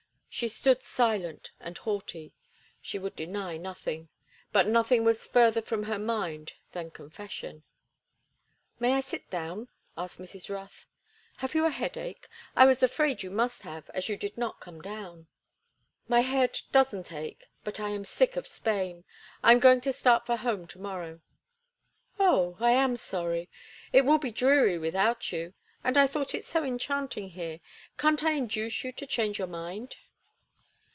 She stood silent and haughty. She would deny nothing, but nothing was further from her mind than confession. "May I sit down?" asked Mrs. Rothe. "Have you a headache? I was afraid you must have, as you did not come down." "My head doesn't ache, but I am sick of Spain. I am going to start for home to morrow." "Oh, I am sorry. It will be dreary without you. And I thought it so enchanting here. Can't I induce you to change your mind?"